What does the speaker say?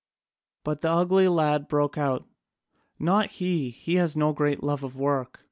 But the ugly lad broke out: "Not he! He has no great love for work.